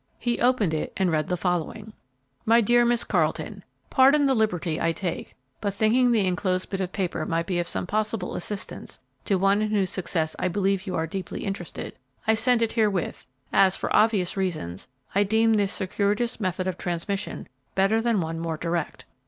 He opened it and read the following: "MY DEAR MISS CARLETON: "Pardon the liberty I take, but, thinking the enclosed bit of paper might be of some possible assistance to one in whose success I believe you are deeply interested, I send it herewith, as, for obvious reasons, I deem this circuitous method of transmission better than one more direct.